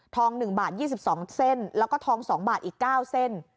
ทองหนึ่งบาท๒๒เส้นแล้วก็ทองสองบาทอีก๙เส้น